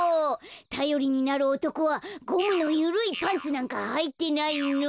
たよりになるおとこはゴムのゆるいパンツなんかはいてないの。